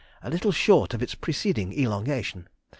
a little short of its preceding elongation.